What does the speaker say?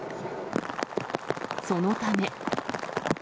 そのため。